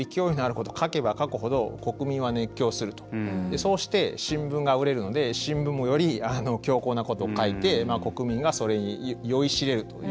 そうして新聞が売れるので新聞もより強硬なことを書いて国民がそれに酔いしれるという。